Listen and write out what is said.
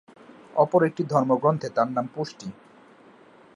অপর একটি ধর্মগ্রন্থে তার নাম পুষ্টি।